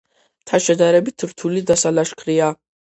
მთა შედარებით რთული დასალაშქრია.